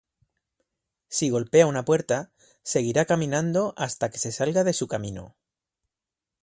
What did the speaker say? Si golpea una puerta, seguirá caminando hasta que se salga de su camino.